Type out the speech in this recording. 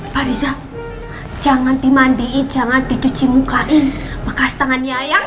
pak riza jangan dimandiin jangan dicuci mukain bekas tangannya ya